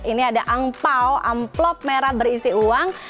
ini ada angpao amplop merah berisi uang